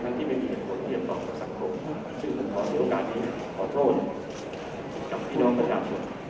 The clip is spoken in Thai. ทั้งที่ไม่มีเหตุผลเรียบร้องกับสังคมซึ่งผมขอโทษที่โอกาสนี้ขอโทษกับพี่น้องบัญญาณผม